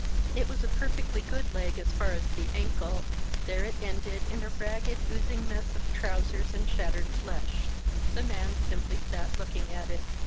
It was a 811 ■.*■ jru. INSURGENT MEXICO perfectly good leg as far as the ankle — ^there it ended in a raggedy oozing mess of trousers and shattered flesh. The man simply sat looking at it.